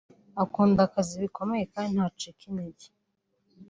akunda akazi bikomeye kandi ntacika intege